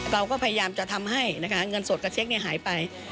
เราก็พยายามจะทำให้เงินสดกับเช็คหายไป